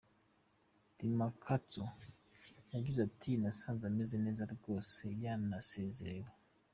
Dimakatso yagize ati :« Nasanze ameze neza rwose yanezerewe ».